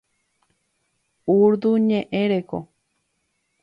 Urdu ñe'ẽ reko.